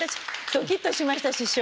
ドキッとしました師匠。